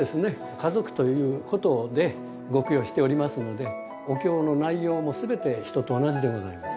家族という事でご供養しておりますのでお経の内容も全て人と同じでございます。